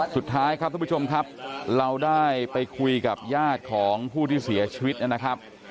สุดท้ายครับทุกผู้ชมครับเราได้ไปคุยกับญาติของผู้ที่เสียชีวิตนะครับ